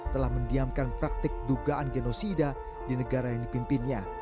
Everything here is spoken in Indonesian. telah mendiamkan praktik dugaan genosida di negara yang dipimpinnya